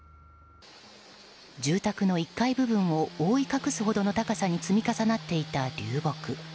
住宅の１階部分を覆い隠すほどの高さに積み重なっていた流木。